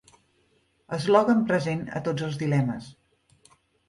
Eslògan present a tots els dilemes.